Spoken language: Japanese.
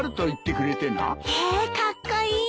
へえカッコイイ。